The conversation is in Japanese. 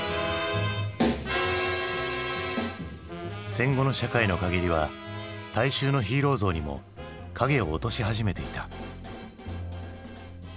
戦後の社会の陰りは大衆のヒーロー像にも影を落とし始めていた。